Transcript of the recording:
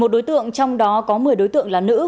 một mươi một đối tượng trong đó có một mươi đối tượng là nữ